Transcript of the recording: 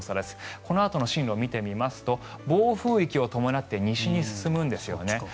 このあとの進路を見てみますと暴風域を伴って西に進むんです。